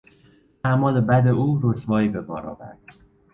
اعمال بد او رسوایی به بار آورد.